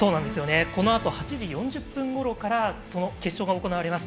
このあと８時４０分ごろからその決勝が行われます。